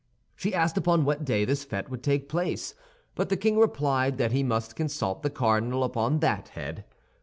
She asked upon what day this fête would take place, but the king replied that he must consult the cardinal upon that head.